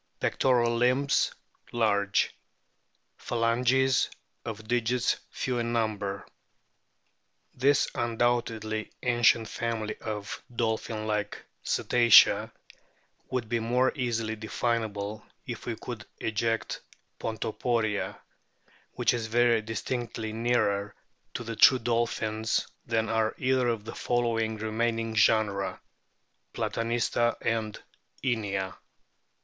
Pectoral limbs large ; phalanges of digits few in number. This undoubtedly ancient family of dolphin like Cetacea would be more easily definable if we could eject Pontoporia, which is very distinctly nearer to the true dolphins than are either of the two remaining genera, Platanista and Inia.